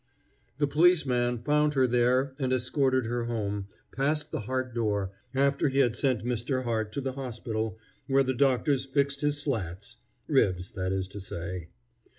The policeman found her there and escorted her home, past the Hart door, after he had sent Mister Hart to the hospital, where the doctors fixed his slats (ribs, that is to say).